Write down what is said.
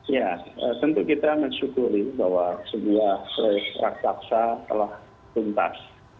ya tentu kita mensyukuri bahwa sebuah raksasa telah tuntas